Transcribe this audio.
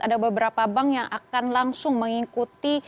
ada beberapa bank yang akan langsung mengikuti